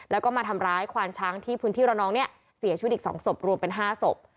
แล้วก็มาทำร้ายควานช้างที่พื้นที่ระนองเนี่ยเสียชีวิตอีก๒ศพรวมเป็น๕ศพ